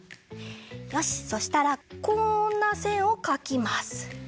よしそしたらこんなせんをかきます。